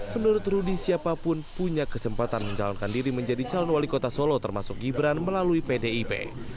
menurut rudy siapapun punya kesempatan menjalankan diri menjadi calon wali kota solo termasuk gibran melalui pdip